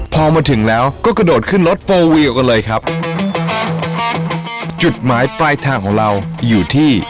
พอมาถึงแล้วก็กระโดดขึ้นรถโฟลวิวกันเลยครับจุดหมายปลายทางของเราอยู่ที่